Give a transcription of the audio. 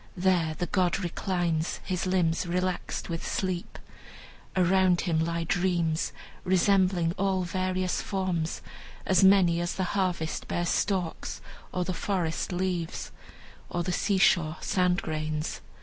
There the god reclines, his limbs relaxed with sleep. Around him lie dreams, resembling all various forms, as many as the harvest bears stalks, or the forest leaves, or the seashore sand grains.